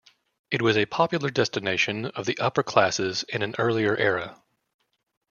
It was a popular destination of the upper classes in an earlier era.